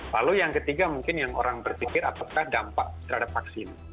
lalu yang ketiga mungkin yang orang berpikir apakah dampak terhadap vaksin